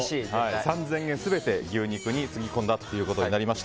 ３０００円全て牛肉につぎ込んだということになりました。